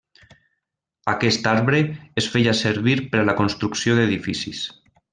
Aquest arbre es feia servir per a la construcció d'edificis.